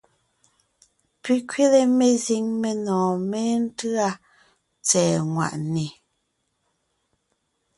Pi kẅile mezíŋ menɔ̀ɔn méntʉ́a tsɛ̀ɛ ŋwàʼne.